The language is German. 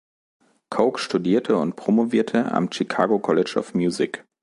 Cooke studierte und promovierte am Chicago College of Music.